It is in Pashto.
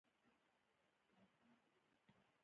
د اوبو سرچینې د افغانستان د طبیعي زیرمو برخه ده.